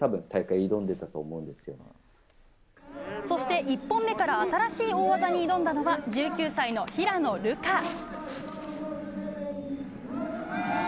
そして１本目から新しい大技に挑んだのは１９歳の平野流佳。